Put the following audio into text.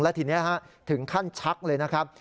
และทีนี้ถึงขั้นชักเลยนะครับ